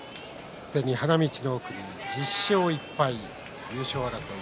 すでに花道の奥１０勝１敗優勝争い